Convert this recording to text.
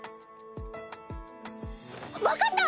分かった！